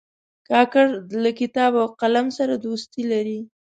کاکړ له کتاب او قلم سره دوستي لري.